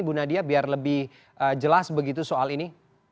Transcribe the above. bu nadia biar lebih jelas begitu soal ini